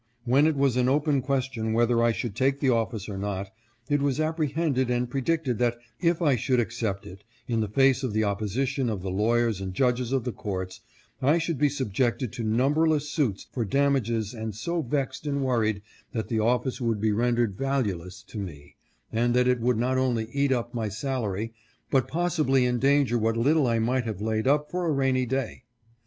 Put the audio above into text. When it was an open question whether I should take the office or not, it was apprehended and pre dicted that, if I should accept it in face of the opposi tion of the lawyers and judges of the courts, I should be subjected to numberless suits for damages and so vexed and worried that the office would be rendered valueless to me and that it would not only eat up my sal ary, but possibly endanger what little I might have laid up for a rainy day.